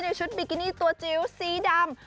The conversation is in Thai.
ในชุดบิกินี่ตัวจิลซีดำ